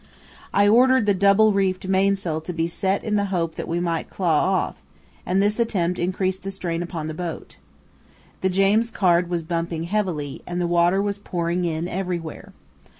I ordered the double reefed mainsail to be set in the hope that we might claw off, and this attempt increased the strain upon the boat. The James Caird was bumping heavily, and the water was pouring in everywhere.